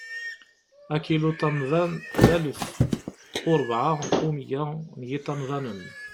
Akiluṭamḍan, d alef u rebɛa u miyya n yiṭamḍanen.